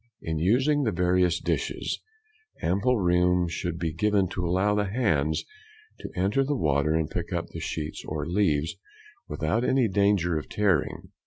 In using the various dishes, ample room should be given to allow the hands to enter the water and pick up the sheets or leaves without any danger of tearing.